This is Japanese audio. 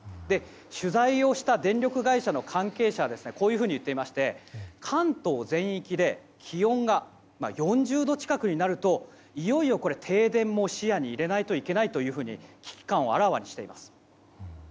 取材をした電力会社の関係者はこういうふうに言っていまして関東全域で気温が４０度近くになるといよいよ停電も視野に入れないといけないと危機感をあらわにしています。